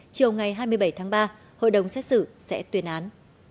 chiều ngày hai mươi bảy tháng ba hội đồng xét xử sẽ tuyên án